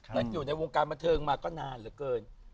อยู่ในวงการบันเทิงมาก็นานเหลือเกิน